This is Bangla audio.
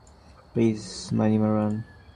প্লিজ, মানিমারান।